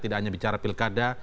tidak hanya bicara pilkada